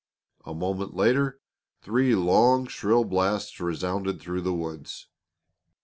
A moment later three long shrill blasts resounded through the woods.